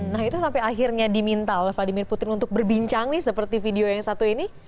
nah itu sampai akhirnya diminta oleh vladimir putin untuk berbincang nih seperti video yang satu ini